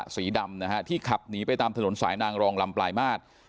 สีดำนะฮะที่ขับหนีไปตามถนนสายนางรองลำปลายมาตร